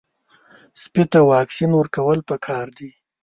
سپي ته واکسین ورکول پکار دي.